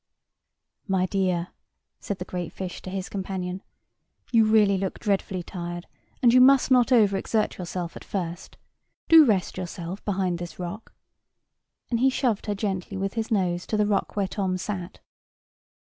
"My dear," said the great fish to his companion, "you really look dreadfully tired, and you must not over exert yourself at first. Do rest yourself behind this rock;" and he shoved her gently with his nose, to the rock where Tom sat.